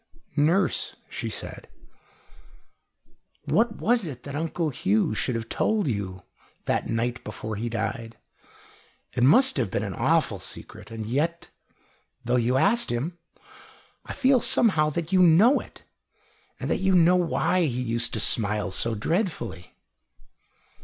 "Nurse," she said, "what was it that Uncle Hugh should have told you, that night before he died? It must have been an awful secret and yet, though you asked him, I feel somehow that you know it, and that you know why he used to smile so dreadfully."